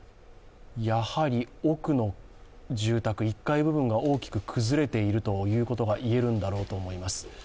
やはり奥の住宅、１階部分が大きく崩れているというのがいえるんだと思います。